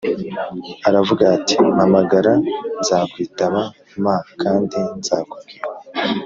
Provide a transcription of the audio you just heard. aravuga ati mpamagara nzakwitaba m kandi nzakubwira